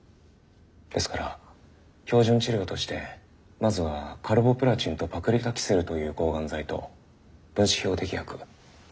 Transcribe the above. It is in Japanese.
ですから標準治療としてまずはカルボプラチンとパクリタキセルという抗がん剤と分子標的薬免疫チェックポイント。